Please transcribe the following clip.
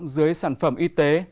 dưới sản phẩm y tế